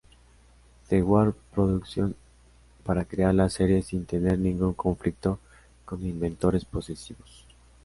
The World Productions, para crear la serie sin tener ningún conflicto con inventores posesivos.